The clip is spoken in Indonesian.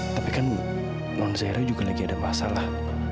tapi kan non zero juga lagi ada masalah